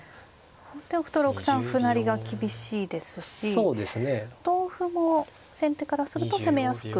放っておくと６三歩成が厳しいですし同歩も先手からすると攻めやすく。